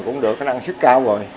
cũng được cái năng suất cao rồi